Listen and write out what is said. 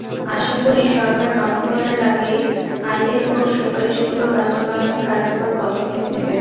আশা করি, সরকার নভেম্বরের আগেই আইএলওর সুপারিশগুলো বাস্তবায়নে কার্যকর পদক্ষেপ নেবে।